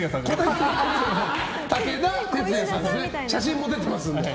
写真も出てますんで。